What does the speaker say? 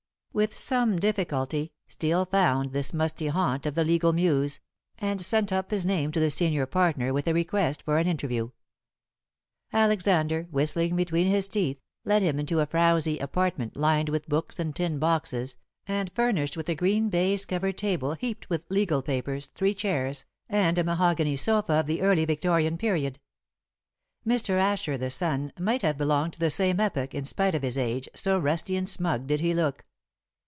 With some difficulty Steel found this musty haunt of the legal Muse, and sent up his name to the senior partner with a request for an interview. Alexander, whistling between his teeth, led him into a frowzy apartment lined with books and tin boxes, and furnished with a green baize covered table heaped with legal papers, three chairs, and a mahogany sofa of the Early Victorian period. Mr. Asher, the son, might have belonged to the same epoch, in spite of his age, so rusty and smug did he look.